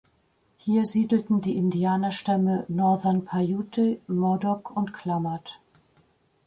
Hier siedelten die Indianerstämme Northern Paiute, Modoc und Klamath.